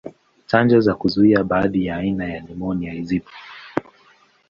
Chanjo za kuzuia baadhi ya aina za nimonia zipo.